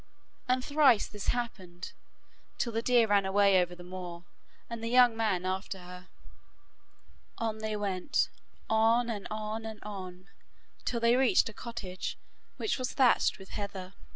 And thrice this happened, till the deer ran away over the moor, and the young man after her. On they went, on and on and one, till they reached a cottage which was thatched with heather.